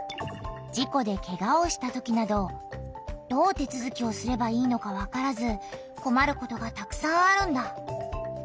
じこでケガをしたときなどどう手つづきをすればいいのかわからずこまることがたくさんあるんだ。